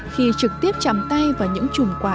khi trực tiếp chạm tay vào những chùm quả